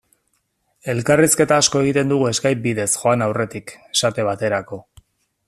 Elkarrizketa asko egiten dugu Skype bidez joan aurretik, esate baterako.